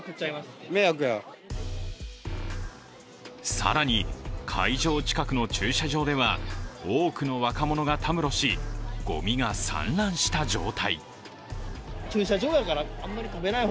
更に、会場近くの駐車場では多くの若者がたむろしごみが散乱した状態。